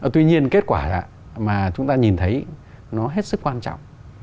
tuy nhiên kết quả mà chúng ta nhìn thấy nó hết sức quan trọng